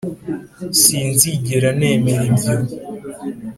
sinzigera nemera ibyo